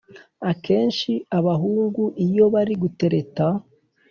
Akenshi abahungu iyo bari gutereta